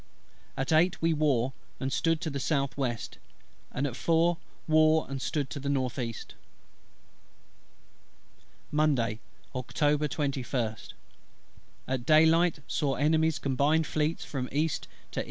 At eight we wore, and stood to the S.W.; and at four wore and stood to the N.E. Monday, Oct. 21st. At day light saw Enemy's Combined Fleets from east to E.